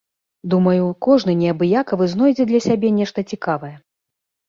Думаю, кожны неабыякавы знойдзе для сябе нешта цікавае.